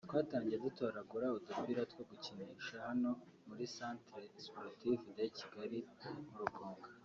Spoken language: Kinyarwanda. twatangiye dutoragura udupira two gukinisha hano muri Cercle Sportif de Kigali mu Rugunga